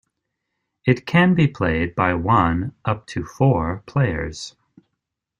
It can be played by one up to four players.